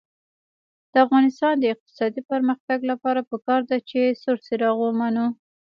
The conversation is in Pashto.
د افغانستان د اقتصادي پرمختګ لپاره پکار ده چې سور څراغ ومنو.